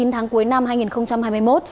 chín tháng cuối năm hai nghìn hai mươi một